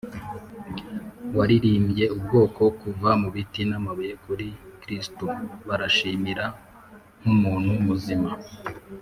waririmbye ubwoko kuva mubiti n'amabuye kuri kristo.baranshimira nkumuntu muzima,